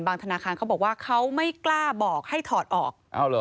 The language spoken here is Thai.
ธนาคารเขาบอกว่าเขาไม่กล้าบอกให้ถอดออก